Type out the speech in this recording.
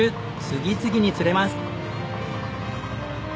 次々に釣れます！